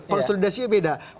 konsolidasi ekonomi dan juga ekonomi